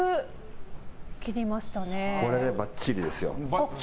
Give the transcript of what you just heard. これでばっちりですよ。